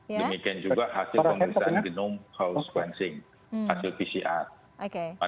demikian juga hasil pemerintahan genom health sequencing hasil pcr